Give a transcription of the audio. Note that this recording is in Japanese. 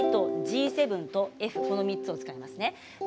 ＣとＧ７、Ｆこの３つを使います。